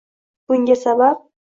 Bunga sabab